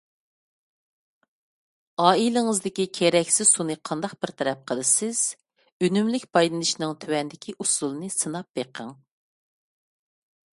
ئائىلىڭىزدىكى كېرەكسىز سۇنى قانداق بىر تەرەپ قىلىسىز؟ ئۈنۈملۈك پايدىلىنىشنىڭ تۆۋەندىكى ئۇسۇلىنى سىناپ بېقىڭ.